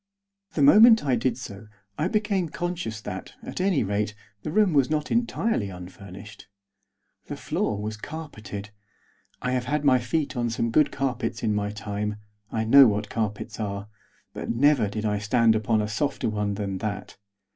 The moment I did so I became conscious that, at any rate, the room was not entirely unfurnished. The floor was carpeted. I have had my feet on some good carpets in my time; I know what carpets are; but never did I stand upon a softer one than that.